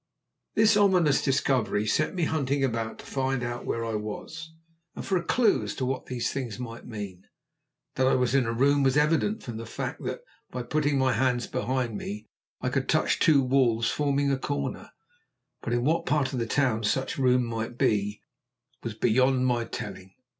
This ominous discovery set me hunting about to find out where I was, and for a clue as to what these things might mean. That I was in a room was evident from the fact that, by putting my hands behind me, I could touch two walls forming a corner. But in what part of the town such room might be was beyond my telling.